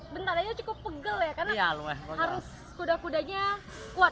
bentaranya cukup pegel ya karena harus kuda kudanya kuat